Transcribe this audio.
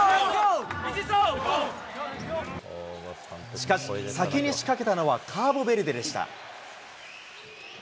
しかし、先に仕掛けたのはカーボベルデでした。